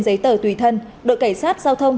giấy tờ tùy thân đội cảnh sát giao thông